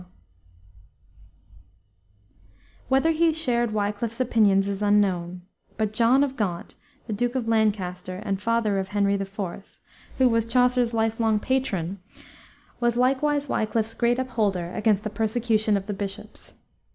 Whether he shared Wiclif's opinions is unknown, but John of Gaunt, the Duke of Lancaster and father of Henry IV., who was Chaucer's life long patron, was likewise Wiclif's great upholder against the persecution of the bishops.